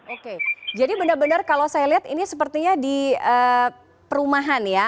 oke jadi benar benar kalau saya lihat ini sepertinya di perumahan ya